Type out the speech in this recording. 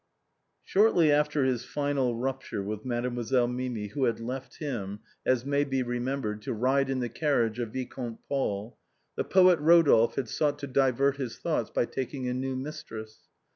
Shortly after his final rupture with Mademoiselle Mimi, who had left him, as may be remembered, to ride in the carriage of Vicomte Paul, the poet Rodolphe had sought to divert his thoughts by taking a new mistress.